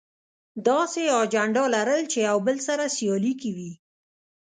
داسې اجنډا لرل چې يو بل سره سیالي کې وي.